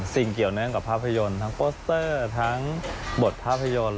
สิ่งเกี่ยวเนื่องกับภาพยนตร์ทั้งโปสเตอร์ทั้งบทภาพยนตร์